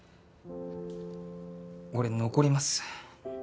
俺残ります。